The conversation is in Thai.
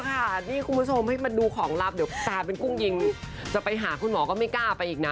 คุณผู้ชมให้มาดูของลับเดี๋ยวตาเป็นกุ้งยิงจะไปหาคุณหมอก็ไม่กล้าไปอีกนะ